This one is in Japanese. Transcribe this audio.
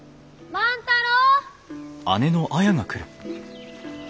万太郎！